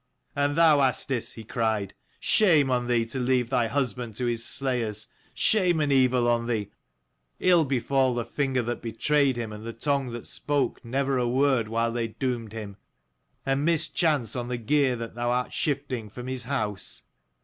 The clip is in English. " And thou, Asdis,'' he cried, " shame on thee to leave thy husband to his slayers shame and evil on thee ! Ill befall the finger that betrayed him, and the tongue that spoke never a word while they doomed him ; and mischance on the gear that thou art shifting from his house.